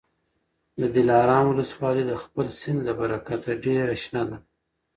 د دلارام ولسوالي د خپل سیند له برکته ډېره شنه ده.